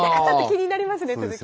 気になりますね続き。